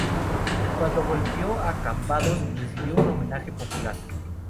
Cuando volvió a Cambados recibió un homenaje popular.